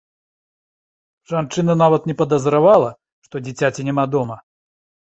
Жанчына нават не падазравала, што дзіцяці няма дома.